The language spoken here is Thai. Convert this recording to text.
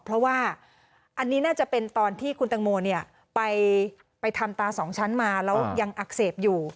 เพราะว่าอันนี้น่าจะเป็นตอนที่คุณตังโมไปทำตาสองชั้นมาแล้วยังอักเสบอยู่